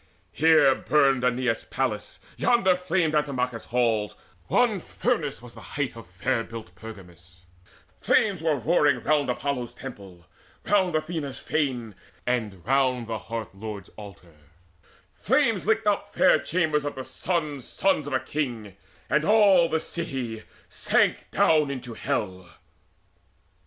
Here burned Aeneas' palace, yonder flamed Antimachus' halls: one furnace was the height Of fair built Pergamus; flames were roaring round Apollo's temple, round Athena's fane, And round the Hearth lord's altar: flames licked up Fair chambers of the sons' sons of a king; And all the city sank down into hell.